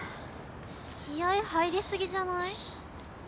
気合い入り過ぎじゃない？